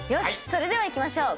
それではいきましょう。